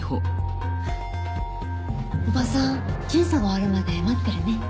おばさん検査終わるまで待ってるね。